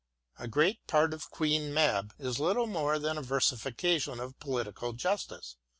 A great part of " Queen Mab " is little more than a versification of " Political Justice."